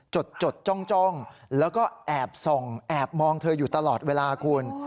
จดจ้องแล้วก็แอบส่องแอบมองเธออยู่ตลอดเวลาคุณ